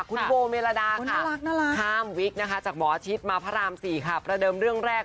คุณโวเมรดาค่ะถ้ามวิกจากหมออาชิตมาพระราม๔ค่ะประเดิมเรื่องแรก